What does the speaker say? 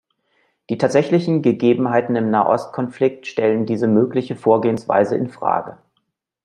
Die tatsächlichen Gegebenheiten im Nahost-Konflikt stellen diese mögliche Vorgehensweise in Frage.